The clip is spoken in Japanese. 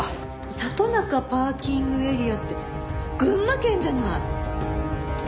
里中パーキングエリアって群馬県じゃない！